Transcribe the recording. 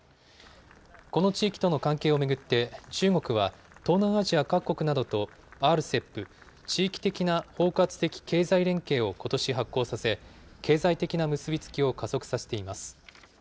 この地域との関係を巡って、中国は東南アジア各国などとＲＣＥＰ・地域的な包括的経済連携をことし発効させ、経済的な結び付きを加速させています。